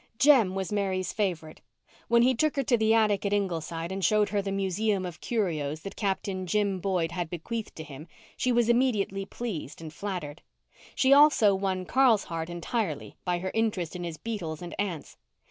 Jem was Mary's favourite. When he took her to the attic at Ingleside and showed her the museum of curios that Captain Jim Boyd had bequeathed to him she was immensely pleased and flattered. She also won Carl's heart entirely by her interest in his beetles and ants.